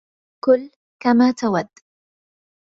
كل كما تود.